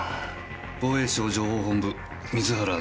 防衛省情報本部水原塔子。